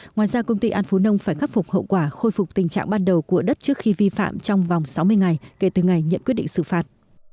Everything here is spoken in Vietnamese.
ngoài ra công ty an phú nông phải khắc phục hậu quả khôi phục tình trạng ban đầu của đất trước khi vi phạm trong vòng sáu mươi ngày kể từ ngày nhận quyết định xử phạt